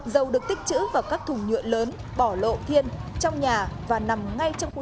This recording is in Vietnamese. dầu được tích chữ vào các thùng nhựa lớn bỏ lộ thiên trong nhà và nằm ngay trong khu